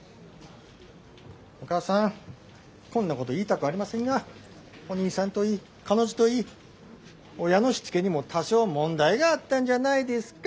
お母さんこんなこと言いたくありませんがお兄さんといい彼女といい親のしつけにも多少問題があったんじゃないですか。